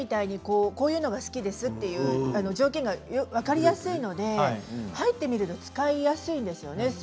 こういうのが好きですという条件が分かりやすいので入ってみれば使いやすいですよね。